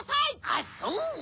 あっそう？